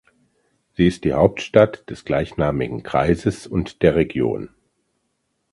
Sie ist die Hauptstadt des gleichnamigen Kreises und der Region.